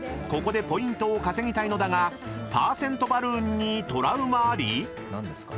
［ここでポイントを稼ぎたいのだがパーセントバルーンにトラウマあり⁉］